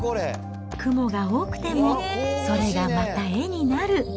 雲が多くてもそれがまた絵になる。